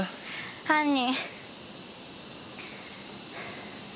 犯人。